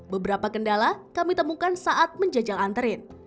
beberapa kendala kami temukan saat menjajal antren